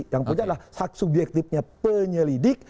yang punya adalah hak subjektifnya penyelidik